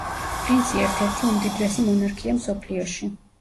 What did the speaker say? პრინცი ერთ-ერთი უმდიდრესი მონარქია მსოფლიოში.